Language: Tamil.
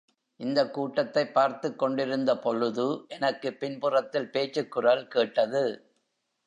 இந்தக் கூட்டத்தைப் பார்த்துக் கொண்டிருந்தபொழுது எனக்குப் பின்புறத்தில் பேச்சுக்குரல் கேட்டது.